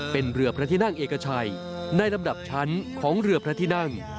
เป็นเรือพระที่นั่งเอกชัยในลำดับชั้นของเรือพระที่นั่ง